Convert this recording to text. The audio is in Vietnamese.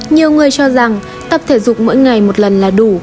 nhiều người cho rằng tập thể dục mỗi ngày một lần là đủ